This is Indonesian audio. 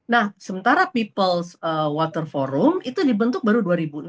nah sementara people water forum itu dibentuk baru dua ribu enam belas